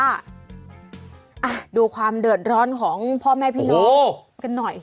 อ่ะดูความเดือดร้อนของพ่อแม่พี่น้องกันหน่อย